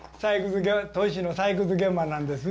砥石の採掘現場なんです。